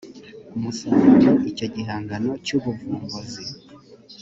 umusaruro icyo gihangano cy ubuvumbuzi